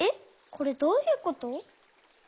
これどういうこと？